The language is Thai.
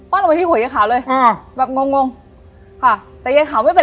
ลงไปที่หัวยายขาวเลยอ่าแบบงงงงค่ะแต่ยายขาวไม่เป็น